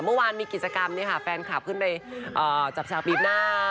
เมื่อวานมีกิจกรรมแฟนคลับขึ้นไปจับสาวปี๊บหน้า